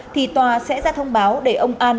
thì tòa sẽ ra thông báo để ông an